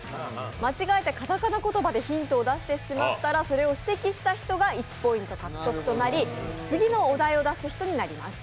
間違えてカタカナ言葉でヒントを出してしまったらそれを指摘した人が１ポイント獲得となり、次のお題を出す人になります。